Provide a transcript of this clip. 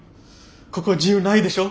ここ自由ないでしょ？